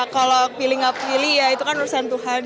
kalau pilih gak pilih ya itu kan urusan tuhan